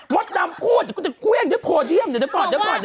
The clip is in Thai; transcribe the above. เขาเอาไปเขียนมีพี่ทั้งสองคน